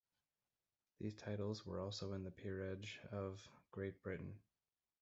These titles were also in the Peerage of Great Britain.